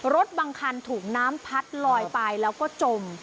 รถบางคันถูกน้ำพัดลอยไปแล้วก็จม